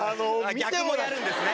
逆もやるんですね。